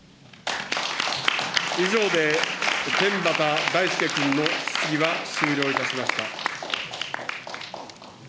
以上で、天畠大輔君の質疑は終了いたしました。